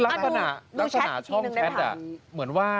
ลักษณะช่องแชทเหมือนว่า